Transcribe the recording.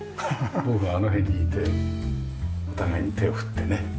僕があの辺にいてお互いに手を振ってね。